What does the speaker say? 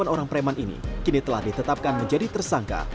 delapan orang preman ini kini telah ditetapkan menjadi tersangka